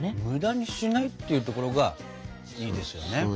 無駄にしないっていうところがいいですよね。